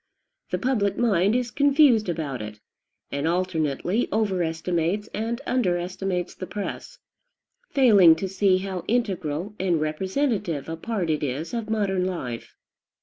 The public mind is confused about it, and alternately overestimates and underestimates the press, failing to see how integral and representative a part it is of modern life.